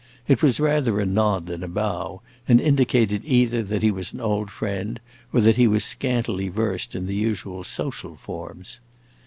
It was rather a nod than a bow, and indicated either that he was an old friend, or that he was scantily versed in the usual social forms.